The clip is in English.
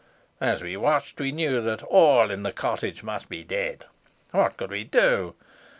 As we watched we knew that all in the cottage must be dead. What could we do?